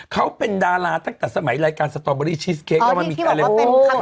เขาเป็นดาราตั้งแต่สมัยรายการสตอร์เบอร์ดี้ชีสเค้กอ๋อที่ที่บอกว่าเป็นคัมเค้ก